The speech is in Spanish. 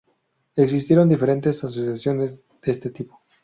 Existieron diferentes asociaciones de este tipo.